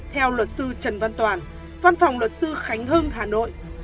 theo luật sư trần văn toàn văn phòng luật sư khánh hưng hà nội